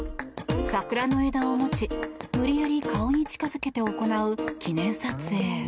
桜の枝を持ち無理やり顔に近付けて行う記念撮影。